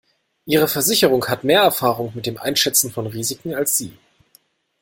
Ihre Versicherung hat mehr Erfahrung mit dem Einschätzen von Risiken als Sie.